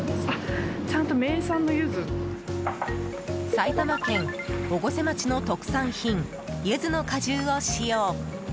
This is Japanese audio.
埼玉県越生町の特産品ユズの果汁を使用。